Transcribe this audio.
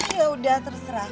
ya udah terserah